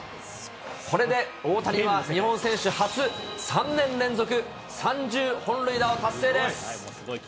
これで大谷は日本選手初３年連続３０本塁打を達成です。